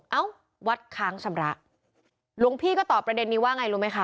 เอ้าวัดค้างชำระหลวงพี่ก็ตอบประเด็นนี้ว่าไงรู้ไหมคะ